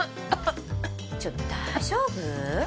ちょっと大丈夫？